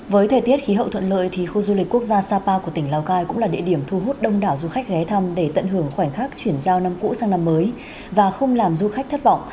với thời tiết khí hậu thuận lợi thì khu du lịch quốc gia sapa của tỉnh lào cai cũng là địa điểm thu hút đông đảo du khách ghé thăm để tận hưởng khoảnh khắc chuyển giao năm cũ sang năm mới và không làm du khách thất vọng